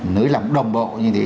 nếu làm đồng bộ như thế